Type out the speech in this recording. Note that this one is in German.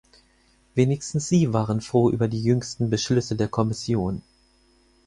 Wenigstens sie waren froh über die jüngsten Beschlüsse der Kommission.